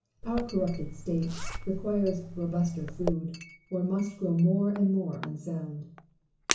Our corrupted state requires robuster food, or must grow more and more unsound.